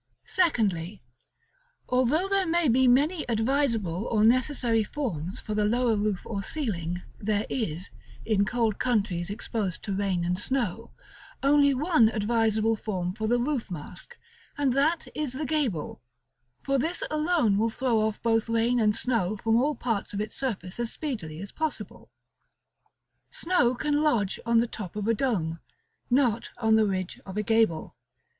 § LXXXII. Secondly. Although there may be many advisable or necessary forms for the lower roof or ceiling, there is, in cold countries exposed to rain and snow, only one advisable form for the roof mask, and that is the gable, for this alone will throw off both rain and snow from all parts of its surface as speedily as possible. Snow can lodge on the top of a dome, not on the ridge of a gable.